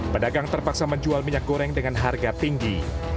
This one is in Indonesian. pedagang terpaksa menjual minyak goreng dengan harga tinggi